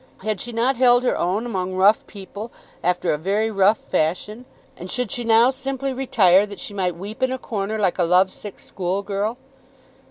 Had she not held her own among rough people after a very rough fashion, and should she now simply retire that she might weep in a corner like a love sick schoolgirl?